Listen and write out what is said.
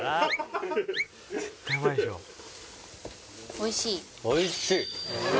おいしい？